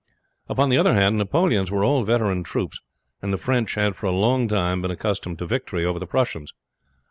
Upon the other hand, Napoleon's were all veteran troops, and the French had for a long time been accustomed to victory over the Prussians.